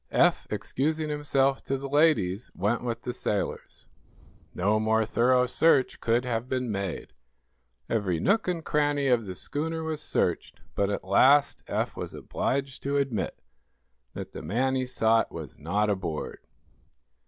Eph, excusing himself to the ladies, went with the sailors. No more thorough search could have been made. Every nook and cranny of the schooner was searched, but at last Eph was obliged to admit that the man he sought was not aboard.